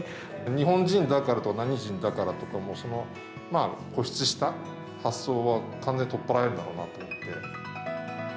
日本人だからとか、何人だからとか、もうその、まあ固執した発想は完全に取っ払えるだろうなと思って。